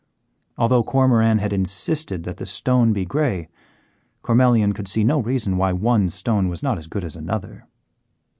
Although Cormoran had insisted that the stone be grey, Cormelian could see no reason why one stone was not as good as another.